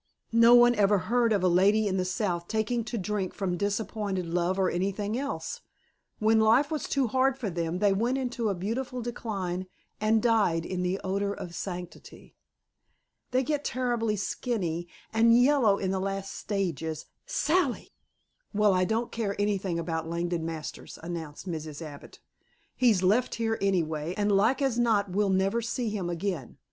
No one ever heard of a lady in the South taking to drink from disappointed love or anything else. When life was too hard for them they went into a beautiful decline and died in the odor of sanctity." "They get terribly skinny and yellow in the last stages " "Sally!" "Well, I don't care anything about Langdon Masters," announced Mrs. Abbott. "He's left here anyway, and like as not we'll never see him again.